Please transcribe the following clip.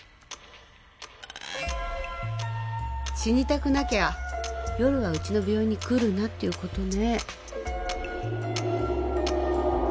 死にたくなきゃ夜はウチの病院に来るなってことね